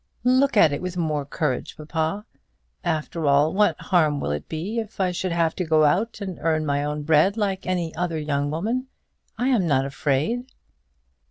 "Look at it with more courage, papa. After all, what harm will it be if I should have to go out and earn my own bread like any other young woman? I am not afraid."